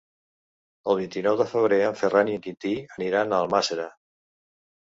El vint-i-nou de febrer en Ferran i en Quintí aniran a Almàssera.